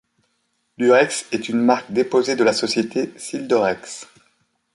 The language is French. Lurex est une marque déposée de la société Sildorex.